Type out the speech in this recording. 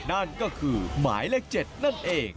นั่นก็คือหมายเลข๗นั่นเอง